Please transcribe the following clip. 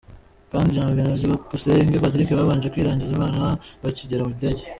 Hadi Janvier na Byukusenge Patrick babanje kwiragiza Imana bakigera mu ndege .